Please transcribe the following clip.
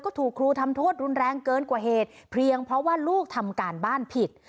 ก็ถูกครูทำโทษรุนแรงเกินกว่าเหตุเพียงเพราะว่าลูกทำการบ้านผิด